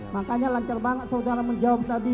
makanya lancar banget saudara menjawab tadi